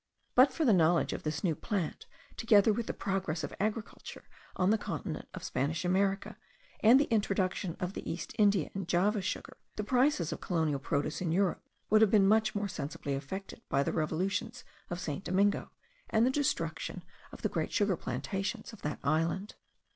But for the knowledge of this new plant, together with the progress of agriculture on the continent of Spanish America, and the introduction of the East India and Java sugar, the prices of colonial produce in Europe would have been much more sensibly affected by the revolutions of St. Domingo, and the destruction of the great sugar plantations of that island.